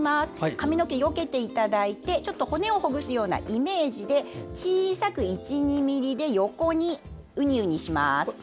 髪の毛よけていただいて骨をほぐすようなイメージで小さく１２ｍｍで横にうにうにします。